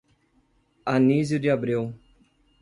Anísio de Abreu